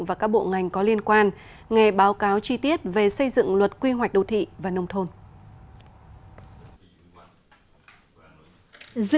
và các bộ ngành có liên quan nghe báo cáo chi tiết về xây dựng luật quy hoạch đô thị và nông thôn